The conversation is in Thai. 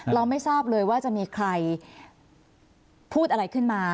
เราไม่ทราบเลยว่าจะมีใครพูดอะไรขึ้นมา